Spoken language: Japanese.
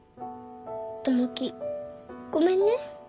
友樹ごめんね。